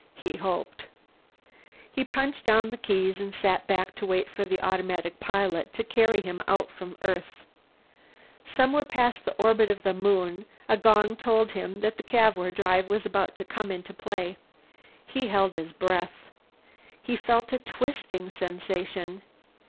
He hoped. He punched down the keys, and sat back to wait for the automatic pilot to carry him out from Earth. Somewhere past the orbit of the moon, a gong told him that the Cavour drive was about to come into play. He held his breath. He felt a twisting sensation.